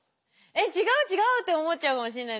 えっ違う違うって思っちゃうかもしれないです。